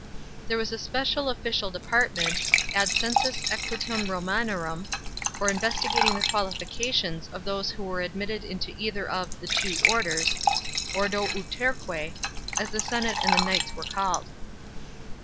There was a special official department (ad census eguitum Romanorum) for investigating the qualifications of those who were admitted into either of " the two orders," (ordo uterque'j as the senate and the knights were called.